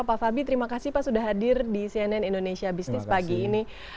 pak fabi terima kasih pak sudah hadir di cnn indonesia business pagi ini